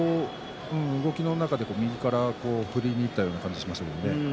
動きの中で右から振りにいったような感じがしましたね。